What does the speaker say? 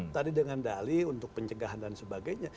tadi dengan dali untuk pencegahan dan sebagainya